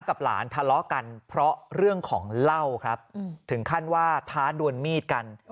กับหลานทะเลาะกันเพราะเรื่องของเหล้าครับถึงขั้นว่าท้าดวนมีดกัน